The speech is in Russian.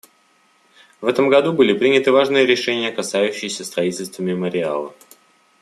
В этом году были приняты важные решения, касающиеся строительства мемориала.